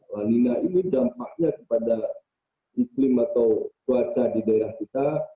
lanina ini dampaknya kepada iklim atau cuaca di daerah kita